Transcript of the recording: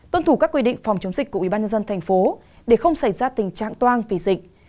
tuân thủ các quy định phòng chống dịch của ủy ban nhân dân thành phố để không xảy ra tình trạng toan vì dịch